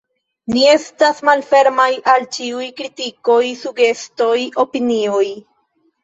Ni estas malfermaj al ĉiuj kritikoj, sugestoj, opinioj.